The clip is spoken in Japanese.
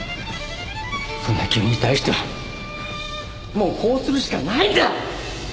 そんな君に対してはもうこうするしかないんだ！